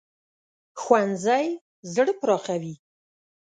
ښوونځی زړه پراخوي